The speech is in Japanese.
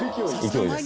勢いです